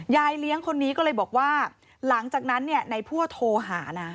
ยายเลี้ยงคนนี้ก็เลยบอกว่าหลังจากนั้นเนี่ยนายพั่วโทรหานะ